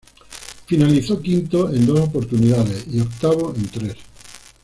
Finalizó quinto en dos oportunidades y octavo en tres.